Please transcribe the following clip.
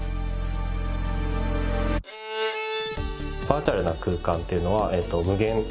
バーチャルな空間っていうのは無限。